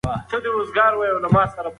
ټولنیز واقیعت د اړیکو د دوام نښه ده.